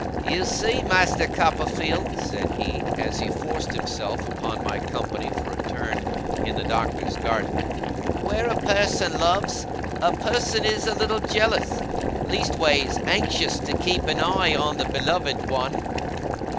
'You see, Master Copperfield,' said he, as he forced himself upon my company for a turn in the Doctor's garden, 'where a person loves, a person is a little jealous leastways, anxious to keep an eye on the beloved one.